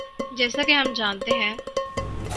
جیسا کہ ہم جانتے ہیں۔